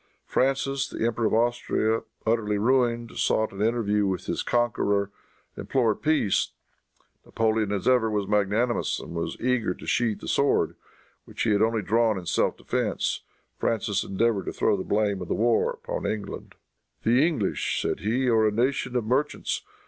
Francis, the Emperor of Austria, utterly ruined, sought an interview with his conqueror, and implored peace. Napoleon, as ever, was magnanimous, and was eager to sheathe the sword which he had only drawn in self defense. Francis endeavored to throw the blame of the war upon England. "The English," said he, "are a nation of merchants.